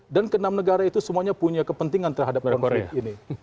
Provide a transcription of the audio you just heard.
dan ke enam negara itu semuanya punya kepentingan terhadap konflik ini